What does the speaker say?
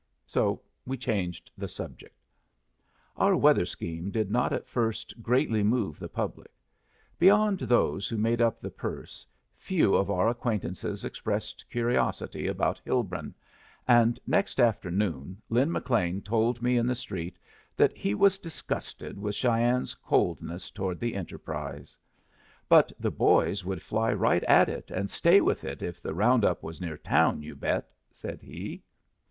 So we changed the subject. Our weather scheme did not at first greatly move the public. Beyond those who made up the purse, few of our acquaintances expressed curiosity about Hilbrun, and next afternoon Lin McLean told me in the street that he was disgusted with Cheyenne's coldness toward the enterprise. "But the boys would fly right at it and stay with it if the round up was near town, you bet," said he.